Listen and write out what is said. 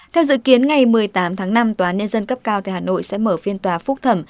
theo dự kiến ngày một mươi tám tháng năm tòa án nhân dân cấp cao tại hà nội sẽ mở phiên tòa phúc thẩm